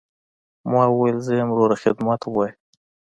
ما وويل زه يم وروه خدمت ښييه.